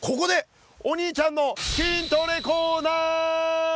お兄ちゃんの筋トレコーナー！